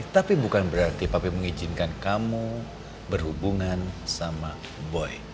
tapi bukan berarti papi mengizinkan kamu berhubungan sama boy